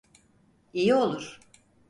İyi olur.